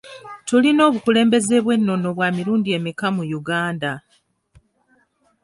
Tulina obukulembeze bw'ennono bwa mirundi emeka mu Uganda?